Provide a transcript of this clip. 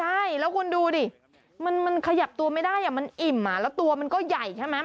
ใช่แล้วคุณดูดิมันขยับตัวไม่ได้มันอิ่มแล้วตัวมันก็ใหญ่ใช่ไหม